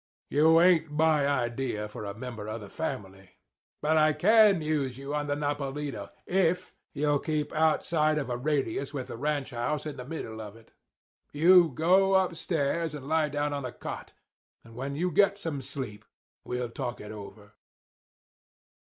You ain't my idea for a member of the family. But I can use you on the Nopalito if you'll keep outside of a radius with the ranch house in the middle of it. You go upstairs and lay down on a cot, and when you get some sleep we'll talk it over.